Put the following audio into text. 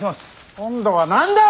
今度は何だ！